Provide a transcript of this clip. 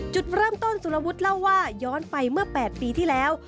จุดเริ่มต้นสุรวุฒิเล่าว่าย้อนไปเมื่อ๘ปีที่แล้ว